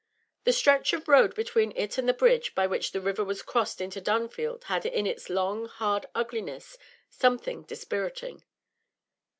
The stretch of road between it and the bridge by which the river was crossed into Dunfield had in its long, hard ugliness something dispiriting.